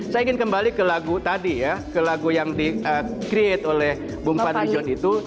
saya ingin kembali ke lagu tadi ya ke lagu yang di create oleh bung fadli john itu